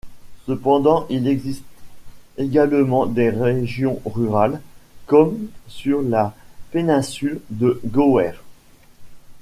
Cependant, il existe également des régions rurales, comme sur la péninsule de Gower.